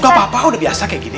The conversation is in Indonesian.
gak apa apa udah biasa kayak gini